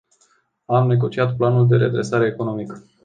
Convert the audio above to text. Am negociat planul de redresare economică.